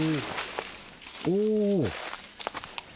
お。